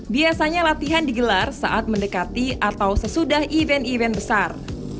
biasanya latihan digelar saat mendekati atau sesudah event event besar